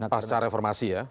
pasca reformasi ya